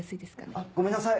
あっごめんなさい